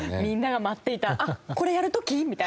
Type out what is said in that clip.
あっこれやる時？みたいな。